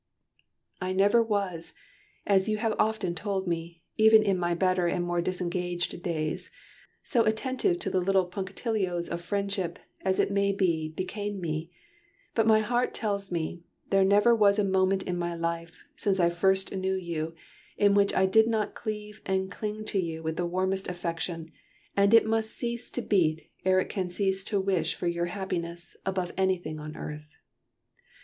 "I never was, as you have often told me, even in my better and more disengaged days, so attentive to the little punctillios of friendship, as it may be, became me; but my heart tells me, there never was a moment in my life, since I first knew you, in which it did not cleave and cling to you with the warmest affection; and it must cease to beat ere it can cease to wish for your happiness, above anything on earth.